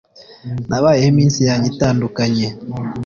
Nabayeho iminsi yanjye itandukanye